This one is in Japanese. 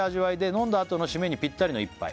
「飲んだあとの締めにぴったりの一杯」